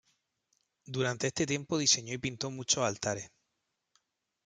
Durante este tiempo diseñó y pintó muchos altares.